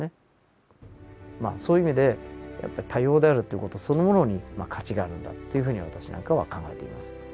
まあそういう意味でやっぱり多様であるという事そのものに価値があるんだというふうに私なんかは考えています。